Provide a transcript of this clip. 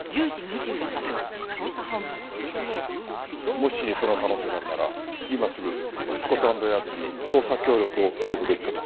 もしその可能性があるなら今すぐスコットランドヤードに捜査協力を仰ぐべきかと。